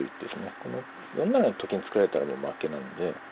この４七にと金作られたらもう負けなんで。